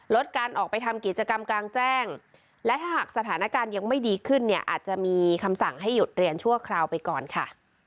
การออกไปทำกิจกรรมกลางแจ้งและถ้าหากสถานการณ์ยังไม่ดีขึ้นเนี่ยอาจจะมีคำสั่งให้หยุดเรียนชั่วคราวไปก่อนค่ะ